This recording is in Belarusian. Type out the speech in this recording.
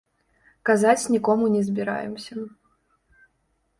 Казаць нікому не збіраемся.